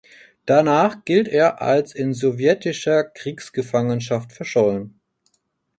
Danach gilt er als in sowjetischer Kriegsgefangenschaft verschollen.